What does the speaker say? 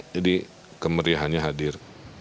jadi kemeriahannya hadir